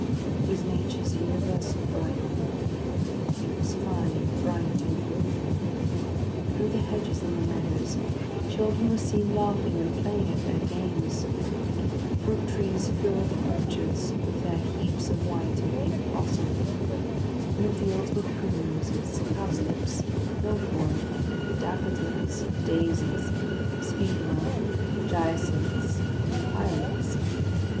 It was nature's universal bridal. It was fine, bright, and warm; through the hedges in the meadows children were seen laughing and playing at their games. The fruit trees filled the orchards with their heaps of white and pink blossom. In the fields were primroses, cowslips, milfoil, daffodils, daisies, speedwell, jacinths, and violets.